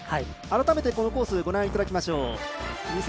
改めてこのコースご覧いただきましょう。